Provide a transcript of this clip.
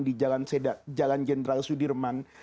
di jalan jenderal sudirman